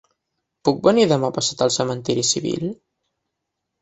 Puc venir demà passat al cementiri civil?